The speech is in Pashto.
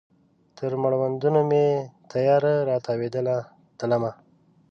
تر مړوندونو مې تیاره را تاویدله تلمه